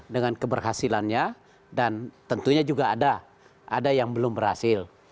dengan keberhasilannya dan tentunya juga ada ada yang belum berhasil